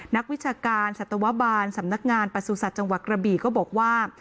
นักวิชาการสัตวบาลสำนักงานประสุทธิ์จังหวัดกระบีก็บอกว่า